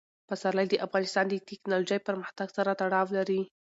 پسرلی د افغانستان د تکنالوژۍ پرمختګ سره تړاو لري.